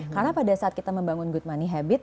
karena pada saat kita membangun good money habit